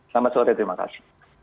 selamat sore terima kasih